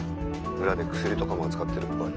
裏で薬とかも扱ってるっぽい。